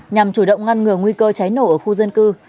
nhằm chủ động ngăn ngừa nguy cơ cháy nổ ở khu dân cư